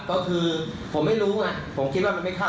ก็คือผมไม่รู้ไงผมคิดว่ามันไม่เข้า